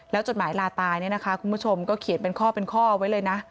จดหมายลาตายเนี่ยนะคะคุณผู้ชมก็เขียนเป็นข้อเป็นข้อไว้เลยนะ